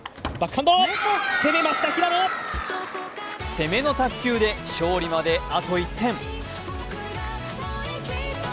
攻めの卓球で勝利まであと１点。